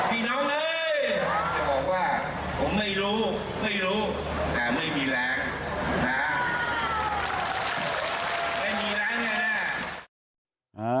พี่น้องเฮ้จะบอกว่าผมไม่รู้แต่ไม่มีแรงนะไม่มีแรงอย่างนั้นนะ